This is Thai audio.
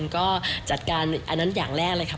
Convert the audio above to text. ก็จัดการอันนั้นอย่างแรกเลยครับ